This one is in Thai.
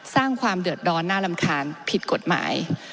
สร้างความเดือดร้อนน่ารำคาญผิดกฎหมาย